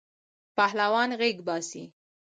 پهلوان غیږ باسی.